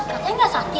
katanya enggak sakit